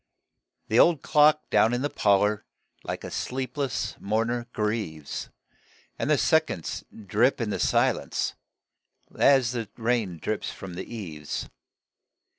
The old clock down in the parlor Like a sleepless mourner grieves, And the seconds drip in the silence As the rain drips from the eaves.